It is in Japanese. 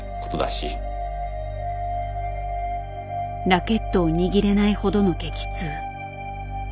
ラケットを握れないほどの激痛。